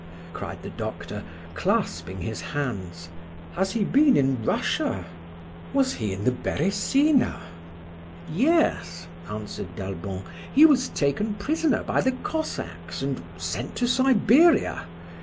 cried the doctor, clasping his hands. "Has he been in Russia? was he in the Beresina?" "Yes," answered d'Albon. "He was taken prisoner by the Cossacks and sent to Siberia.